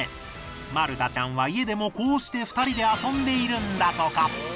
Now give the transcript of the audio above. マルタちゃんは家でもこうして２人で遊んでいるんだとか。